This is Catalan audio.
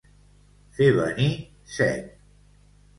Fer venir set.